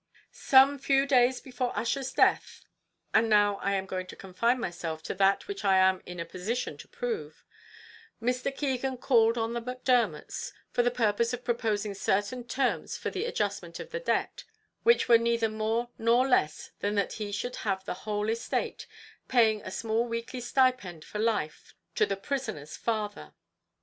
"Some few days before Ussher's death and now I am going to confine myself to that which I am in a position to prove Mr. Keegan called on the Macdermots for the purpose of proposing certain terms for the adjustment of the debt, which were neither more nor less than that he should have the whole estate, paying a small weekly stipend for life to the prisoner's father.